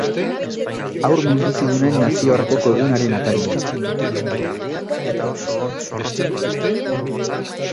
Haur minbizidunen nazioarteko egunaren atarian.